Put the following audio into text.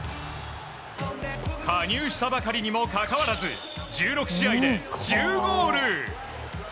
加入したばかりにもかかわらず１６試合で１０ゴール！